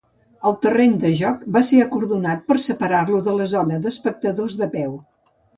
El terreny de joc va ser acordonat per separar-lo de la zona d'espectadors de peu.